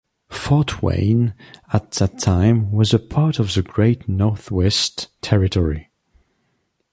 Fort Wayne at that time was a part of the great Northwest Territory.